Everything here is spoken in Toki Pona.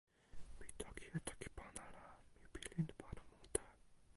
mi toki e toki pona la, mi pilin pona mute.